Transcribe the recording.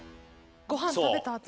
ご飯食べたあと。